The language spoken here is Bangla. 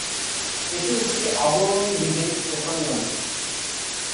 এটি একটি আবরণী বিহীন কোষাঙ্গাণু।